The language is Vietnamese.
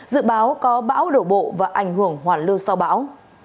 dự báo có bão đổ bộ và ảnh hưởng hoàn lưu sau bão